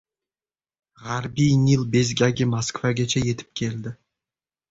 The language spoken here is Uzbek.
G‘arbiy Nil bezgagi Moskvagacha yetib keldi